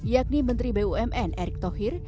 yakni menteri bumn erick thohir